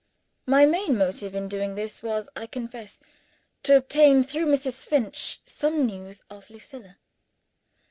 My main motive in doing this was, I confess, to obtain, through Mrs. Finch, some news of Lucilla.